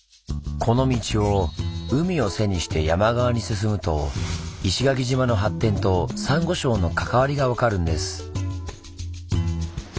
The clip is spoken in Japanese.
この道を海を背にして山側に進むと石垣島の発展とサンゴ礁の関わりが分かるんです。